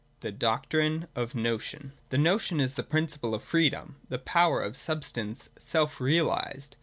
THE DOCTRINE OF THE NOTION. 160.] The Notion is the principle of freedom, the power of substance self realised.